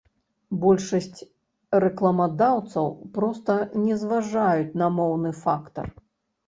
Большасць рэкламадаўцаў проста не зважаюць на моўны фактар.